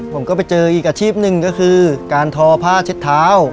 ผมก็ไปเจออีกอาชีพหนึ่งก็คือการทอผ้าเช็ดเท้า